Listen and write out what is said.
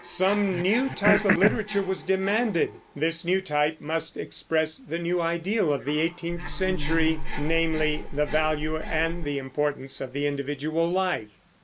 Some new type of literature was demanded, this new type must express the new ideal of the eighteenth century, namely, the value and the importance of the individual life.